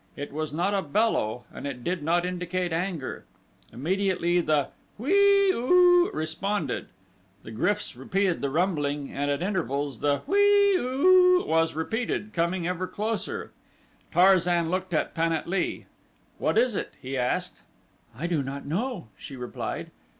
It was not a bellow and it did not indicate anger. Immediately the "Whee oo!" responded. The gryfs repeated the rumbling and at intervals the "Whee oo!" was repeated, coming ever closer. Tarzan looked at Pan at lee. "What is it?" he asked. "I do not know," she replied.